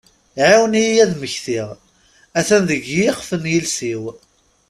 Ɛiwen-iyi ad mmektiɣ, atan deg iɣef nyiules-iw!